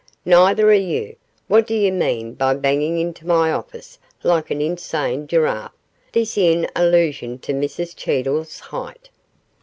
'Neither are you. What do you mean by banging into my office like an insane giraffe?' this in allusion to Mrs Cheedle's height.